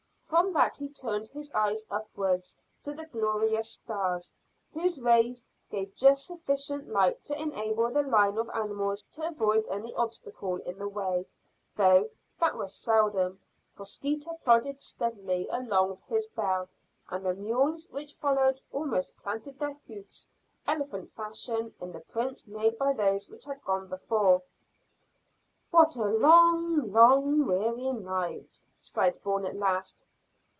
From that he turned his eyes upward to the glorious stars, whose rays gave just sufficient light to enable the line of animals to avoid any obstacle in the way, though that was seldom, for Skeeter plodded steadily along with his bell, and the mules which followed almost planted their hoofs, elephant fashion, in the prints made by those which had gone before. "What a long, long, weary night!" sighed Bourne at last.